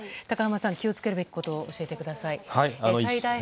中濱さん、気を付けるべきこと教えてください。